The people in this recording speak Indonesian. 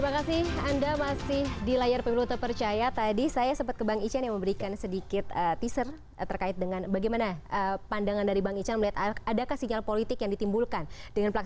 keseluruhan mungkin tidak